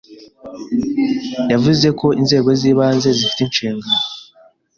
Yavuze ko inzego z’ibanze zifite inshingano